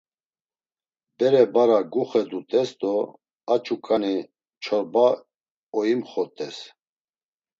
Bere bara guxedut̆es do a ç̌uǩani çorba oimxot̆es.